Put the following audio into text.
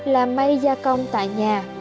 làm may gia công tại nhà